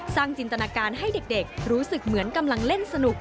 จินตนาการให้เด็กรู้สึกเหมือนกำลังเล่นสนุก